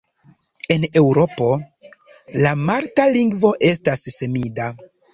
En Eŭropo, la malta lingvo estas semida.